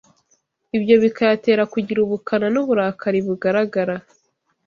ibyo bikayatera kugira ubukana n’uburakari bugaragara.